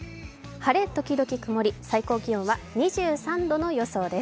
晴れ時々曇り、最高気温は２３度の予想です。